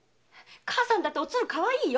母さんもおつるはかわいいよ。